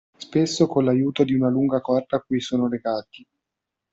Spesso con l'aiuto di una lunga corda a cui sono legati.